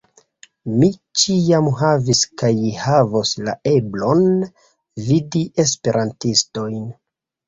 Mi ne ĉiam havis kaj havos la eblon vidi Esperantistojn.